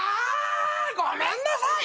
ごめんなさい！